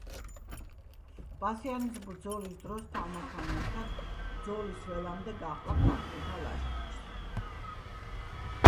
ბასიანის ბრძოლის დროს თამართან ერთად ბრძოლის ველამდე გაჰყვა ქართველთა ლაშქარს.